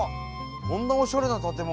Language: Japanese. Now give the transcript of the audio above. こんなおしゃれな建物。